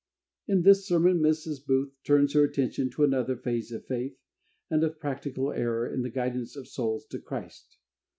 In this sermon Mrs. Booth turns her attention to another phase of faith and of practical error in the guidance of souls to Christ.